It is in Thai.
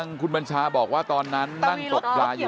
อุ้มขึ้นมาจากแม่น้ำนาฬนะฮะ